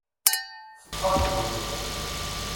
Teṭṭef addud.